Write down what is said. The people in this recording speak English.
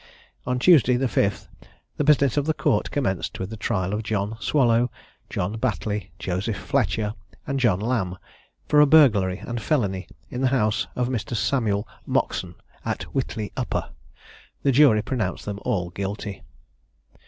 On Tuesday, the 5th, the business of the court commenced with the trial of John Swallow, John Batley, Joseph Fletcher, and John Lamb, for a burglary and felony in the house of Mr. Samuel Moxon, at Whitley Upper: the jury pronounced them all guilty.